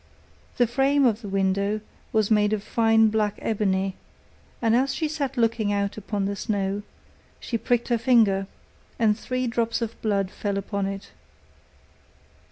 The frame of the window was made of fine black ebony, and as she sat looking out upon the snow, she pricked her finger, and three drops of blood fell upon it.